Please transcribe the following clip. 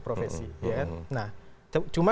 profesi nah cuma